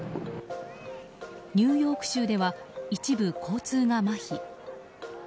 ニューヨーク州では一部、交通がまひ。